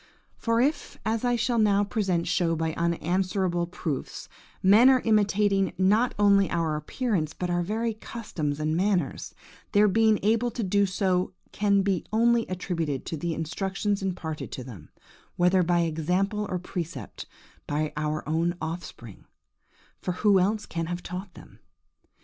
For if, as I shall presently show by unanswerable proofs, men are imitating not only our appearance, but our very customs and manners, their being able to do so can only be attributed to the instructions imparted to them, whether by example or precept, by our own offspring,–for who else can have taught them?